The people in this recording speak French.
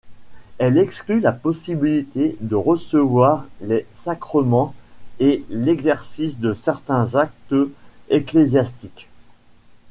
Elle exclut la possibilité de recevoir les sacrements et l'exercice de certains actes ecclésiastiques.